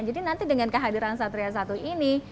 jadi nanti dengan kehadiran satria satu ini